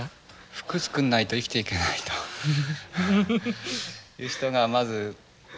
服作んないと生きていけないという人がまず基本的にいます。